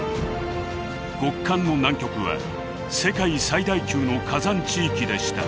極寒の南極は世界最大級の火山地域でした。